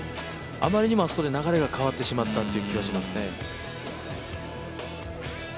あまりにもあそこで流れが変わってしまったという感じがしますね。